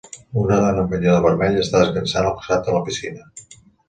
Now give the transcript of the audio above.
Una dona amb un banyador vermell està descansant al costat de la piscina.